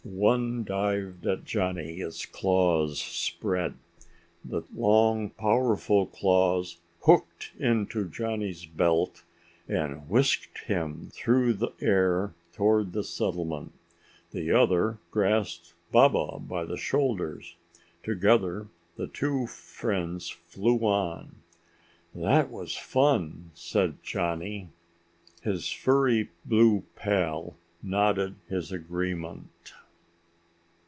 One dived at Johnny, its claws spread. The long powerful claws hooked into Johnny's belt and whisked him through the air toward the settlement. The other grasped Baba by the shoulders. Together the two friends flew on. "That was fun!" said Johnny. His furry blue pal nodded his agreement.